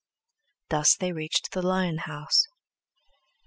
Thus they reached the lion house.